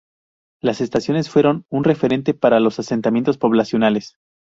Las estaciones fueron un referente para los asentamientos poblacionales.